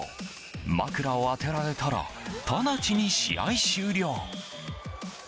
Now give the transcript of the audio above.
枕を当てられたらただちに試合終了。